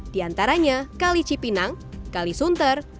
diantaranya kali cipinang kali sunter